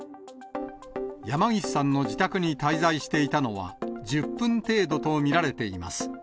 山岸さんの自宅に滞在していたのは１０分程度と見られています。